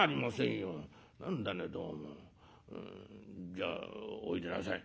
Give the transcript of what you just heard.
じゃあおいでなさい」。